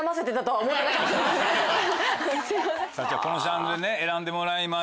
じゃこのジャンルね選んでもらいました。